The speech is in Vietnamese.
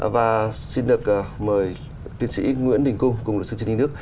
và xin được mời tiến sĩ nguyễn đình cung cùng luật sư trương đình đức